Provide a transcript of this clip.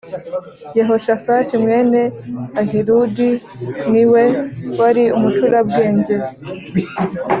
Yehoshafati mwene Ahiludi ni we wari umucurabwenge